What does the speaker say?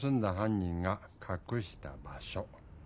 人がかくした場所。